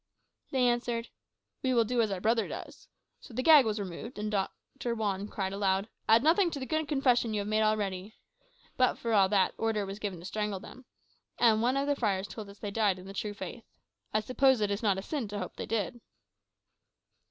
They answered, 'We will do as our brother does.' So the gag was removed, and Doctor Juan cried aloud, 'Add nothing to the good confession you have made already.' But for all that, order was given to strangle them; and one of the friars told us they died in the true faith. I suppose it is not a sin to hope they did."